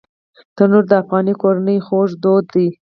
تنور د افغاني کورنۍ خوږ دود دی